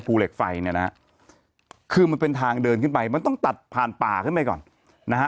ภูเหล็กไฟเนี่ยนะฮะคือมันเป็นทางเดินขึ้นไปมันต้องตัดผ่านป่าขึ้นไปก่อนนะฮะ